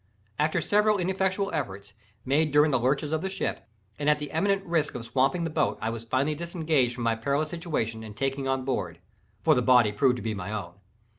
After several ineffectual efforts, made during the lurches of the ship, and at the imminent risk of swamping the boat I was finally disengaged from my perilous situation and taken on board—for the body proved to be my own.